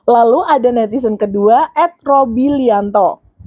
lalu ada netizen kedua at roby lianto